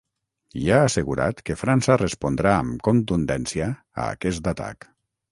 I ha assegurat que França respondrà amb contundència a aquest atac.